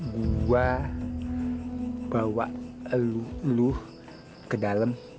gue bawa lu ke dalam